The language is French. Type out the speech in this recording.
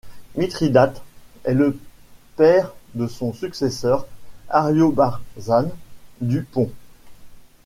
Mithridate est le père de son successeur, Ariobarzane du Pont.